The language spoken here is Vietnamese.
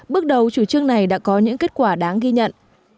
bước đầu chủ trương này đã có những kết quả đáng ghi nhận